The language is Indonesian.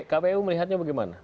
kpu melihatnya bagaimana